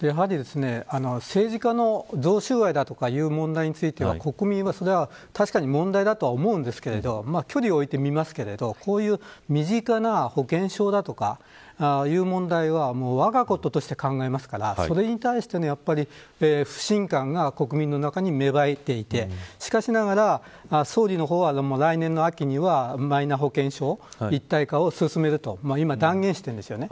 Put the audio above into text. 政治家の贈収賄だとかいう問題については国民は確かに問題だと思いますが距離を置いてみますがこういう身近な保険証だとかそういう問題はわがこととして考えますからそれに対しての不信感が国民の中に芽生えていてしかしながら、総理の方は来年の秋にはマイナ保険証一体化を進めると今、断言しているんですよね。